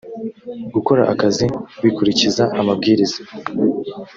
gukora akazi bikurikiza amabwiriza